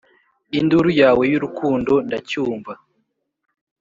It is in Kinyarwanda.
induru yawe y'urukundo ndacyumva,